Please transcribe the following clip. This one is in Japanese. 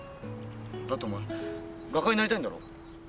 だってお前画家になりたいんだろ？